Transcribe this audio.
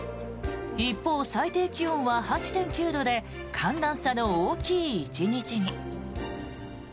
一方、最低気温は８．９度で寒暖差の大きい１日に。